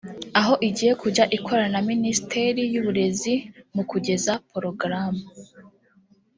aho igiye kujya ikorana na Minisiteri y’uburezi mu kugeza porogaramu